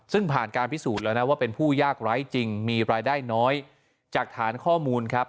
ซึ่งผ่านการพิสูจน์แล้วนะว่าเป็นผู้ยากไร้จริงมีรายได้น้อยจากฐานข้อมูลครับ